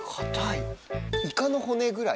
イカの骨ぐらい。